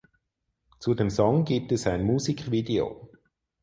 Zu dem Song gibt es ein Musikvideo.